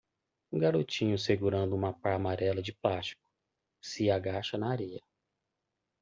Um garotinho segurando uma pá amarela de plástico?? se agacha na areia.